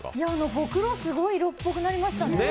ほくろ、すごい色っぽくなりましたね。